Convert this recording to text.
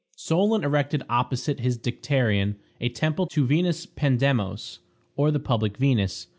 Solon erected opposite his dicterion a temple to Venus Pandemos, or the public Venus.